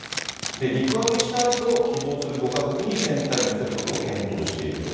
陸揚げしたあと、希望するご家族に船体を見せることを検討していると。